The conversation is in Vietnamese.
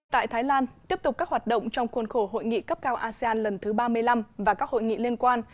tại thái lan tiếp tục các hoạt động trong khuôn khổ hội nghị cấp cao asean lần thứ ba mươi năm và các hội nghị liên quan